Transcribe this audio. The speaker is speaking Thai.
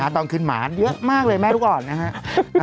ตอนขึ้นหมาเยอะมากเลยแม่รู้ก่อนนะครับ